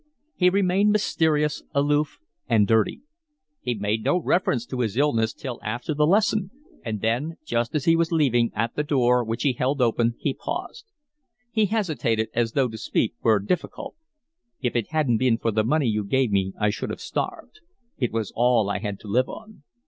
He remained mysterious, aloof, and dirty. He made no reference to his illness till after the lesson: and then, just as he was leaving, at the door, which he held open, he paused. He hesitated, as though to speak were difficult. "If it hadn't been for the money you gave me I should have starved. It was all I had to live on."